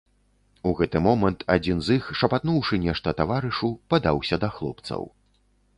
У гэты момант адзін з іх, шапатнуўшы нешта таварышу, падаўся да хлопцаў.